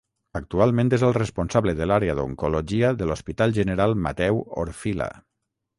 Actualment és el responsable de l'àrea d'oncologia de l'Hospital General Mateu Orfila.